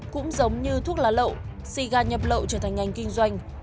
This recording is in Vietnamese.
cũng giống như thuốc lá lậu siga nhập lậu trở thành ngành kinh doanh đem đến lợi nhuận cao